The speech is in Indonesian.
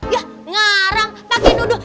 ya ngarang pakai nuduh